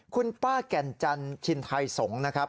คุณป้าแก่นจันชินไทยสงศ์นะครับ